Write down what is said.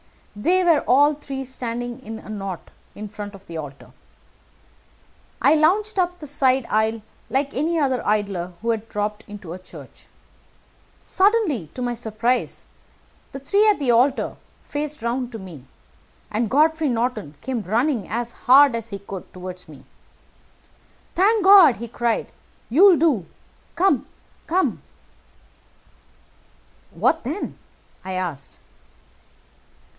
They were all three standing in a knot in front of the altar. I lounged up the side aisle like any other idler who has dropped into a church. Suddenly, to my surprise, the three at the altar faced round to me, and Godfrey Norton came running as hard as he could toward me. "'Thank God!' he cried. 'You'll do. Come! Come!' "'What then?' I asked.